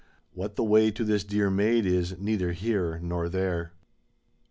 What the way to this dear maid — ^is neither here nor there!